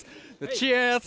チアーズ！